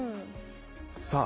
さあ